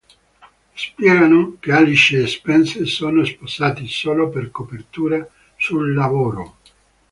Spiegano che Alice e Spence sono sposati, solo per copertura sul lavoro.